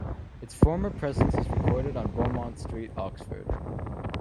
Its former presence is recorded in Beaumont Street, Oxford.